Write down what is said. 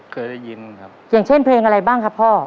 เคยได้ยินครับอย่างเช่นเพลงอะไรบ้างครับพ่อ